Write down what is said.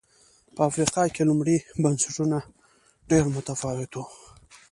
په افریقا کې لومړي بنسټونه ډېر متفاوت و